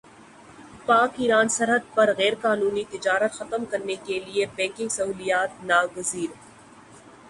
پاک ایران سرحد پر غیرقانونی تجارت ختم کرنے کیلئے بینکنگ سہولیات ناگزیر